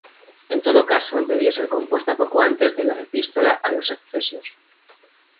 En todo caso, debió ser compuesta poco antes de la Epístola a los Efesios.